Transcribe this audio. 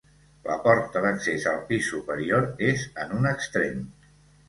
La porta d'accés al pis superior és en un extrem.